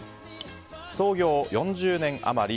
創業４０年余り。